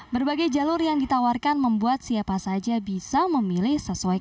berbagai jalur yang ditawarkan membuat siapa saja bisa memilih sesuai